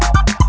kau mau kemana